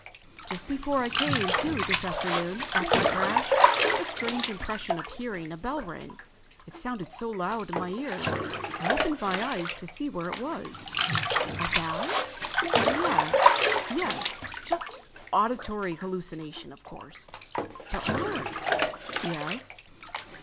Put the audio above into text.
"Just before I came to this afternoon, after the crash, I had a strange impression of hearing a bell ring. It sounded so loud in my ears I opened my eyes to see where it was." "A—bell?" "Yes. Just auditory hallucination, of course." "But Mark—" "Yes?"